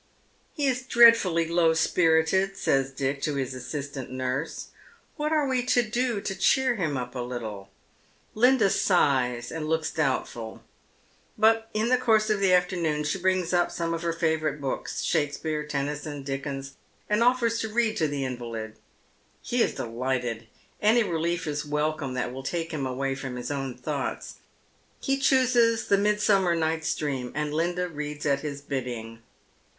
" He's dreadfully low spirLted," says Dick to his assistant nurse. " What are we to do to cheer him up a little ?" Linda sighs and looks doubtful ; but in the course of the afternoon she brings up some of her favourite books, Shakespeare, Tennyson, Dickens, and offers to read tot^the invalid. He is delighted. Any relief is welcome that will take him away from his own thoughts. He chooses the " Midsummer Night's Dream," and Linda reads at his bidding.